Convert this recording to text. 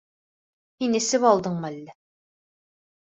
Һин эсеп алдыңмы әллә?